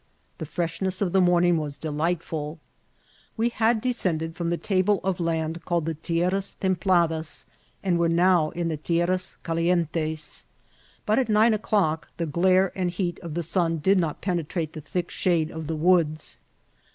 The frerimess of the morning was de* lightfiiL We had descended from the taUe of land called the tierras templadas, and were now in the tier ras callientes ; but at nine o'clock the glare and heat of the snn did not penetrate the thick shade of the woods.